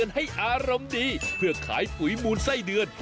ให้อารมณ์ดีเพื่อขายปุ๋ยมูลไส้เดือน